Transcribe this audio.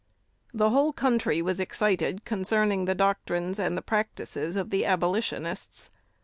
The whole country was excited concerning the doctrines and the practices of the Abolitionists.